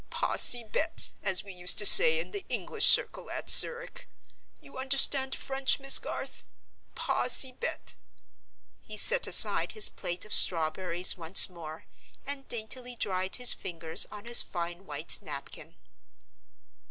Pas si bete, as we used to say in the English circle at Zurich. You understand French, Miss Garth? Pas si bete!" He set aside his plate of strawberries once more, and daintily dried his fingers on his fine white napkin.